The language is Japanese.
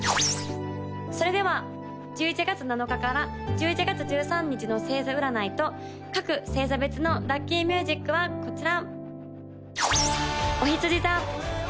それでは１１月７日から１１月１３日の星座占いと各星座別のラッキーミュージックはこちら！